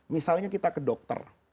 misalnya kita ke dokter